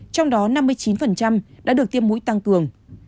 trong đó năm mươi chín đã được tiêm mũi tăng cường